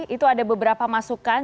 itu ada beberapa masukan